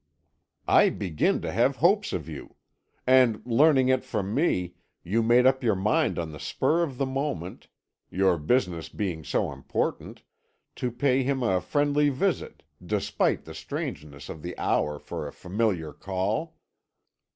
"I begin to have hopes of you. And learning it from me, you made up your mind on the spur of the moment your business being so important to pay him a friendly visit, despite the strangeness of the hour for a familiar call?"